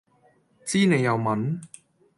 知你又問?